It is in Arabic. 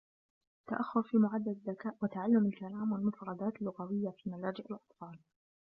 تأخر في معدل الذكاء وتعلم الكلام والمفردات اللغوية في ملاجئ الأطفال